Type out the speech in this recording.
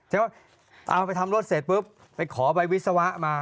จริงว่าเอาไปทำรถเสร็จปุ๊บไปขอใบวิสัวะมา